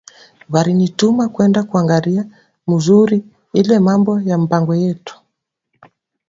Barini tuma kwenda kuangaria muzuri ile mambo ya mpango yetu